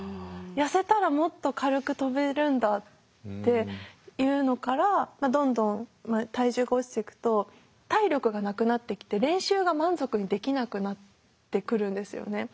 痩せたらもっと軽く跳べるんだっていうのからどんどん体重が落ちていくと体力がなくなってきて練習が満足にできなくなってくるんですよね。